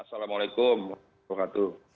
assalamualaikum warahmatullahi wabarakatuh